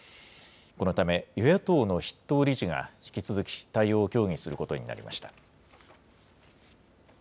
このため、与野党の筆頭理事が引き続き、対応を協議することになりました。